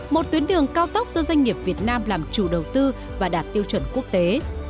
một tuyến đường cao tốc do doanh nghiệp việt nam làm chủ đầu tư và đạt tiêu chuẩn quốc tế